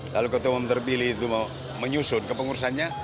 lalu ketua umum terpilih itu menyusun ke pengurusannya